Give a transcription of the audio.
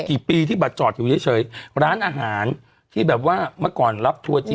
กี่ปีที่บัตรจอดอยู่เฉยร้านอาหารที่แบบว่าเมื่อก่อนรับทัวร์จีน